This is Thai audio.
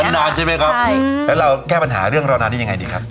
นานใช่ไหมครับแล้วเราแก้ปัญหาเรื่องราวนานได้ยังไงดีครับ